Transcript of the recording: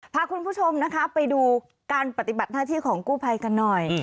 พาคุณผู้ชมนะคะไปดูการปฏิบัติหน้าที่ของกู้ภัยกันหน่อย